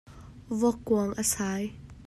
Vok kuang a sai.